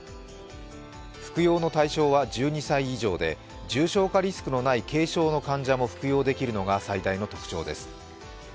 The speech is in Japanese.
服用の対象は１２歳以上で重症化リスクのない軽症の患者も服用できるのが最大の特徴です。